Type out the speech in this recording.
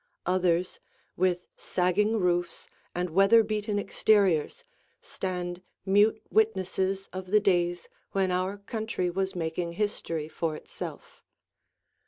Others, with sagging roofs and weather beaten exteriors, stand mute witnesses of the days when our country was making history for itself.